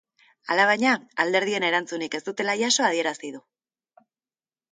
Alabaina, alderdien erantzunik ez dutela jaso adierazi du.